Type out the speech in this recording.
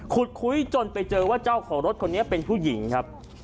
คุยจนไปเจอว่าเจ้าของรถคนนี้เป็นผู้หญิงครับ